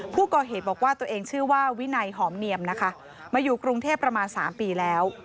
ผู้ก่อเหตุบอกว่าตัวเองชื่อว่าวินัยหอมเนียมนะคะมาอยู่กรุงเทพประมาณ๓ปีแล้ว